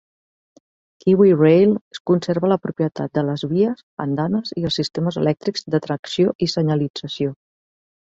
KiwiRail conserva la propietat de les vies, andanes i els sistemes elèctrics de tracció i senyalització.